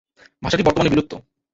ভাষাটি বর্তমানে বিলুপ্ত।